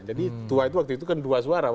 jadi ketua itu waktu itu kan dua suara